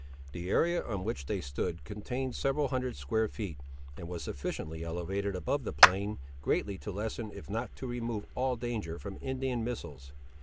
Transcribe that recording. The area on which they stood contained several hundred square feet, and was sufficiently elevated above the plain greatly to lessen if not to remove all danger from Indian missiles.